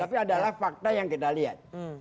tapi adalah fakta yang kita lihat